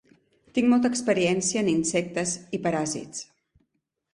Tinc molta experiència en insectes i paràsits